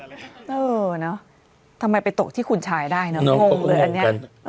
เออเนอะทำไมไปตกที่คุณชายได้เนอะ